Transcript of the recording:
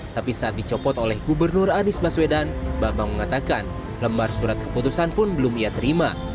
tapi saat dicopot oleh gubernur anies baswedan bambang mengatakan lembar surat keputusan pun belum ia terima